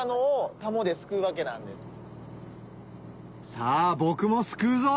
さぁ僕もすくうぞ！